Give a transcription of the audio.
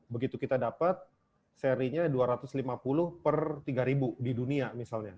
begitu kita dapat serinya dua ratus lima puluh per tiga ribu di dunia misalnya